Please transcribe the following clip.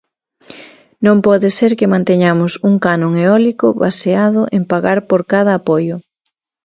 Non pode ser que manteñamos un canon eólico baseado en pagar por cada apoio.